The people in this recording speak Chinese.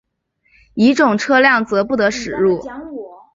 乙种车辆则不得驶入。